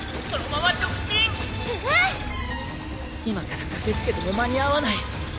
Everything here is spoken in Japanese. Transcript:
今から駆け付けても間に合わない。